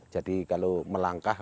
jadi kalau melangkah